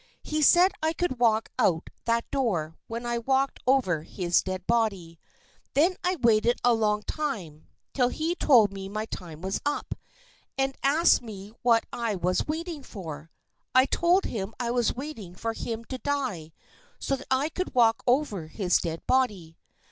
He said I could walk out that door when I walked over his dead body. Then I waited a long time, till he told me my time was up, and asked me what I was waiting for. I told him I was waiting for him to die so that I could walk over his dead body.